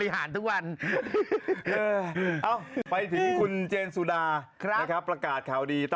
โหให้พี่ยิงปาก